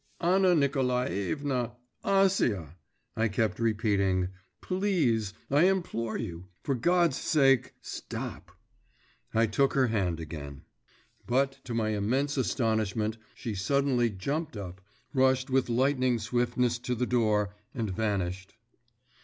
'Anna Nikolaevna, Acia,' I kept repeating, 'please, I implore you, for God's sake, stop.…' I took her hand again.… But, to my immense astonishment she suddenly jumped up, rushed with lightning swiftness to the door, and vanished.